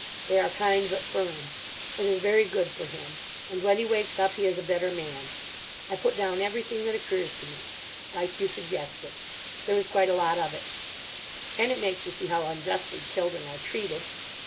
They are kind but firm. It is very good for him. And when he wakes up he is a better man. I put down everything that occurs to me. Like you suggested. There is quite a lot of it. And it makes you see how unjustly children are treated.